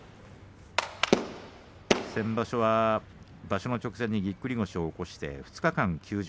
先場所は場所の直前にぎっくり腰を起こして２日間休場。